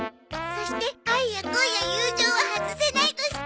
そして愛や恋や友情は外せないとして。